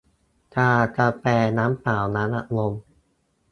ชากาแฟ น้ำเปล่า น้ำอัดลม